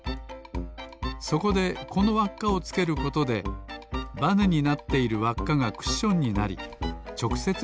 そこでこのわっかをつけることでバネになっているわっかがクッションになりちょくせつ